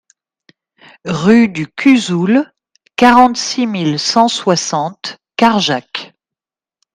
Rue du Cuzoul, quarante-six mille cent soixante Cajarc